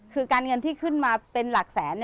คือการเงินที่ขึ้นมาเป็นหลักแสน